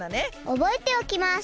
おぼえておきます。